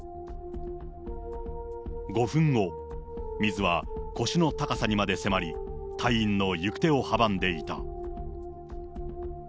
５分後、水は腰の高さにまで迫り、隊員の行く手を阻んでいた。